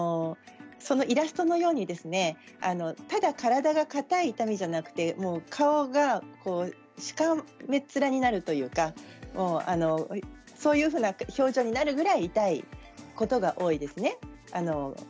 そのイラストのようにただ体がかたい痛みじゃなくて顔がしかめっ面になるというかそういうふうな表情になるぐらい痛いことが多いですね。